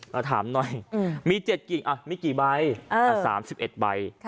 เราถามหน่อยอืมมีเจ็ดกิ่งอ่ะไม่กี่ใบเออสามสิบเอ็ดใบค่ะ